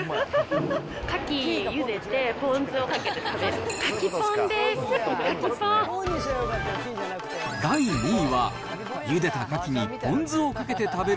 カキゆでて、ポン酢をかけて食べる。